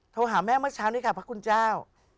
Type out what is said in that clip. โทรหาแม่เมื่อเช้านี้ค่ะพระคุณเจ้า